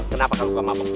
kenapa kalau gua mabok